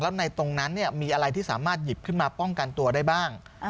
แล้วในตรงนั้นมีอะไรที่สามารถหยิบขึ้นมาป้องกันตัวได้บ้าง